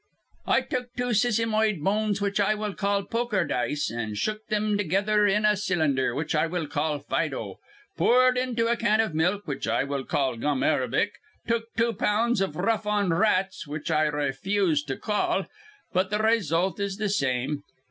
I took two sisymoid bones, which I will call poker dice, an' shook thim together in a cylinder, which I will call Fido, poored in a can iv milk, which I will call gum arabic, took two pounds iv rough on rats, which I rayfuse to call; but th' raysult is th' same.'